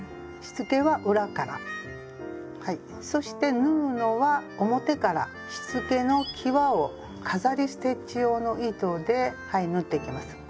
しつけは裏からはいそして縫うのは表からしつけのきわを飾りステッチ用の糸で縫っていきます。